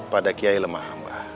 pada kiai lemahamba